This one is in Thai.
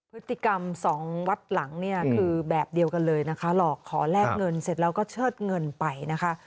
พฤติกรรมสองวัดหลังเนี่ยคือแบบเดียวกันเลยนะคะหลอกขอแลกเงินเสร็จแล้วก็เชิดเงินไปนะคะ